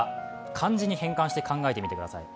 漢字に変換して考えてみてください。